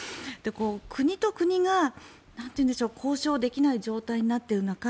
国と国が交渉できない状態になっている中